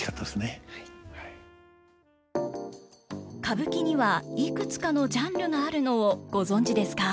歌舞伎にはいくつかのジャンルがあるのをご存じですか？